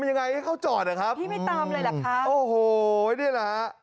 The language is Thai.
ยังไงให้เขาจอดอะครับพี่ไม่ตามเลยล่ะครับโอ้โหเนี้ยนะฮะ